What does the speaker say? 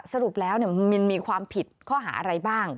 สรุปแล้วมินมีความผิดข้อหาอะไรบ้าง